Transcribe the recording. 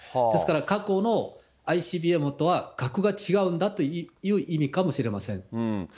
ですから、過去のＩＣＢＭとは格が違うんだという意味かもしれません。